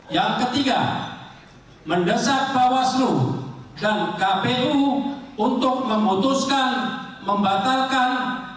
yang ketiga mendesak bawaslu dan kpu untuk memutuskan membatalkan